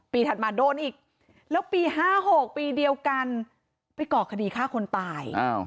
ถัดมาโดนอีกแล้วปี๕๖ปีเดียวกันไปก่อคดีฆ่าคนตาย